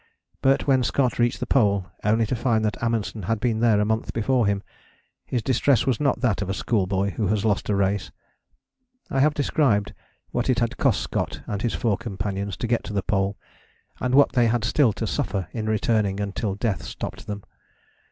But when Scott reached the Pole only to find that Amundsen had been there a month before him, his distress was not that of a schoolboy who has lost a race. I have described what it had cost Scott and his four companions to get to the Pole, and what they had still to suffer in returning until death stopped them.